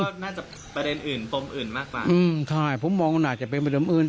คิดว่าน่าจะประเด็นอื่นตรงอื่นมากกว่าอืมค่ะผมมองน่าจะเป็นประเด็นอื่น